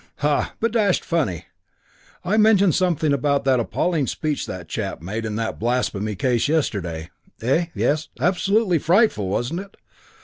Ha! But dashed funny I mentioned something about that appalling speech that chap made in that blasphemy case yesterday.... Eh? yes, absolutely frightful, wasn't it?